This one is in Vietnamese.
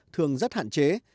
thường rất hạn chế